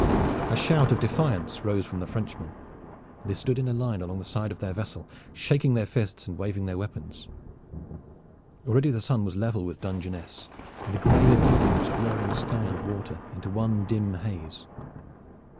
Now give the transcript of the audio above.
A shout of defiance rose from the Frenchmen, and they stood in a line along the side of their vessel shaking their fists and waving their weapons. Already the sun was level with Dungeness, and the gray of evening was blurring sky and water into one dim haze.